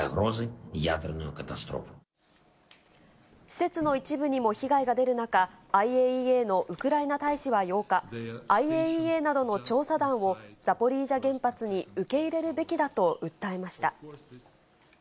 施設の一部にも被害が出る中、ＩＡＥＡのウクライナ大使は８日、ＩＡＥＡなどの調査団をザポリージャ原発に受け入れるべきだと訴えました。